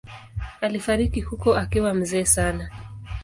Alifariki huko akiwa mzee sana.